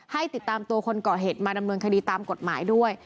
ให้ติดตามตัวคนก่อเหตุมาดำเนินคดีตามกฎหมายด้วย